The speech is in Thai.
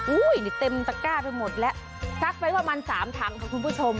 อุ้ยนี่เต็มตะกร้าไปหมดแล้วซักไปประมาณสามถังของคุณผู้ชม